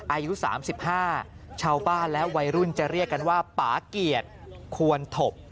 อายุ๓๕ชาวบ้านและวัยรุ่นจะเรียกกันว่าป่าเกียรติควรถบ